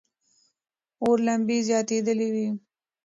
اور لمبې زیاتېدلې وې.